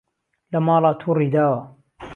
لە ماڵا توڕی داوە